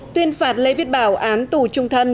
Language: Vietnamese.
tuyên phạt lê viết bảo án tù trung thân